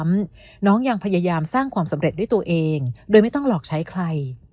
น้องยังพยายามสร้างความสำเร็จด้วยตัวเองโดยไม่ต้องหลอกใช้ใคร